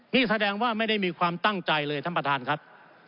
นี่แสดงว่าไม่ได้มีความตั้งใจเลยท่านประธานครับ